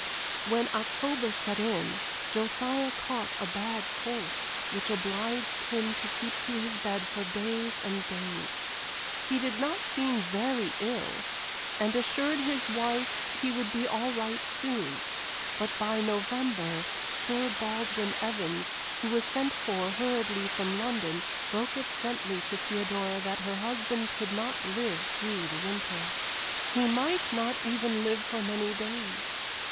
When October set in Josiah caught a bad cold, which obliged him to keep to his bed for days and days. He did not seem very ill, and assured his wife he would be all right soon; but by November, Sir Baldwin Evans, who was sent for hurriedly from London, broke it gently to Theodora that her husband could not live through the winter. He might not even live for many days.